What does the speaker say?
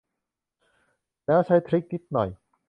แล้ว ใช้ทริค นิดหน่อย